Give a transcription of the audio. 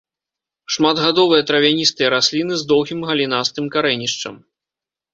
Шматгадовыя травяністыя расліны з доўгім галінастым карэнішчам.